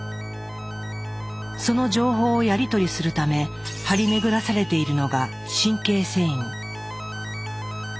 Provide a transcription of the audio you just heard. その情報をやり取りするため張り巡らされているのが神経線維。